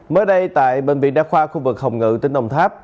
mới đây tại bệnh viện đa khoa khu vực hồng ngự tỉnh đồng tháp